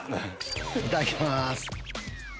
いただきます。